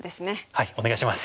はいお願いします。